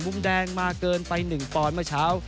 มุมแดงมาเกินไป๑ปอนด์เมื่อเช้า